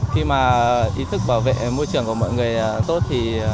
khi mà ý thức bảo vệ môi trường của mọi người tốt thì